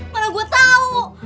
mana gue tau